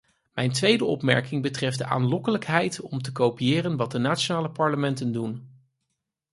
Mijn tweede opmerking betreft de aanlokkelijkheid om te kopiëren wat de nationale parlementen doen.